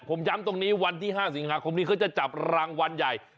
ผมย้ำตรงนี้วันที่๕สิงหาคมนี้เขาจะจับรางวัลใหญ่